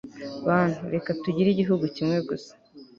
bantu, reka tugire igihugu kimwe gusa